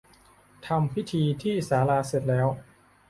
ทำพิธีที่ศาลาเสร็จแล้ว